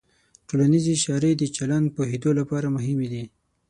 ټولنیز اشارې د چلند پوهېدو لپاره مهمې دي.